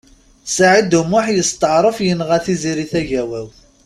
Saɛid U Muḥ yesṭeɛref yenɣa Tiziri Tagawawt.